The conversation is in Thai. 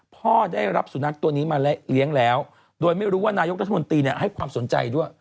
พ่อได้รับสุนัขตัวนี้มาเลี้ยงแล้วโดยไม่รู้ว่านายกรัฐมนตรีให้ความสนใจด้วย